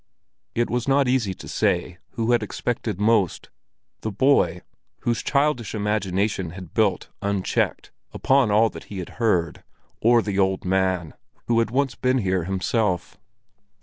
It was not easy to say who had expected most—the boy, whose childish imagination had built, unchecked, upon all that he had heard, or the old man, who had once been here himself.